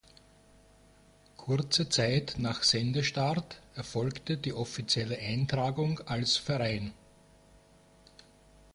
Kurze Zeit nach Sendestart erfolgte die offizielle Eintragung als Verein.